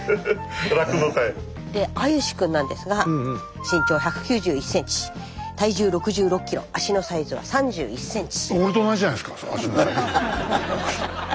で歩志くんなんですが身長１９１ｃｍ体重６６ｋｇ足のサイズは３１ｃｍ。